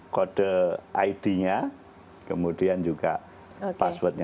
kode id nya kemudian juga password nya